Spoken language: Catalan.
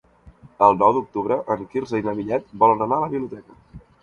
El nou d'octubre en Quirze i na Vinyet volen anar a la biblioteca.